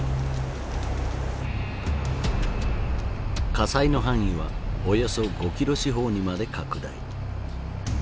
火災の範囲はおよそ５キロ四方にまで拡大。